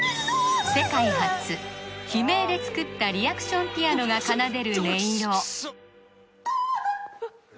世界初悲鳴で作ったリアクションピアノが奏でる音色たな！